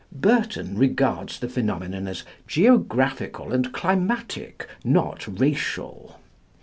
Burton regards the phenomenon as "geographical and climatic, not racial."